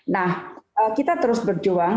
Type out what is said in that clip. nah kita terus berjuang